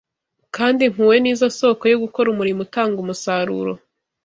kandi impuhwe ni zo sōko yo gukora umurimo utanga umusaruro